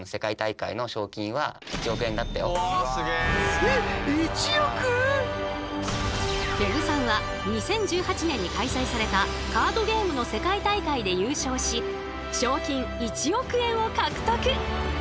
ふぇぐさんは２０１８年に開催されたカードゲームの世界大会で優勝し賞金１億円を獲得。